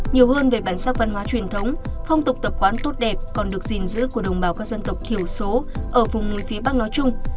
nhiều hơn về bản sắc văn hóa truyền thống phong tục tập quán tốt đẹp còn được gìn giữ của đồng bào các dân tộc thiểu số ở vùng núi phía bắc nói chung